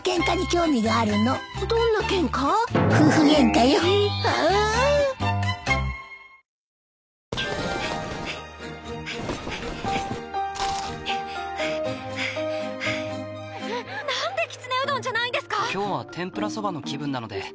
今日は天ぷらそばの気分なので。